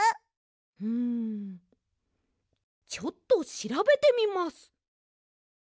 うんちょっとしらべてみます。